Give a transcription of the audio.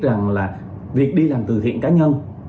rằng là việc đi làm từ thiện cá nhân